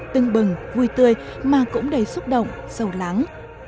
tưng bừng vui tươi mà cũng đầy xúc động sâu lắng